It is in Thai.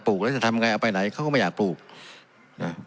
ลูกแล้วจะทำไงเอาไปไหนเขาก็ไม่อยากปลูกนะ